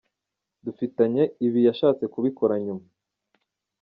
dufitanye, ibi yashatse Kubikora nyuma.